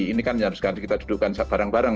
ini kan yang harus kita dudukkan bareng bareng